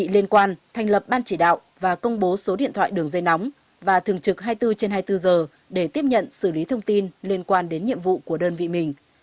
liên quan thành lập ban chỉ đạo và công bố số điện thoại đường dây nóng và thường trực hai mươi bốn trên hai mươi bốn giờ để tiếp nhận xử lý thông tin liên quan đến nhiệm vụ của đơn vị mình